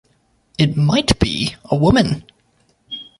It might be a woman.